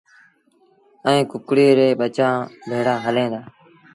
ائيٚݩ ڪڪڙي ري ٻچآݩ ڀيڙآ هليݩ دآ۔